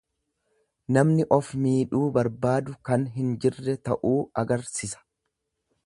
Namni of miidhuu barbaadu kan hin jirre ta'uu agarsisa.